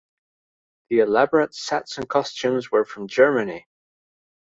The elaborate sets and costumes were from Germany.